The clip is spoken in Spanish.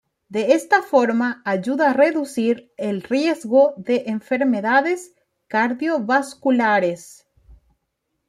De esta forma ayuda a reducir el riesgo de enfermedades cardiovasculares.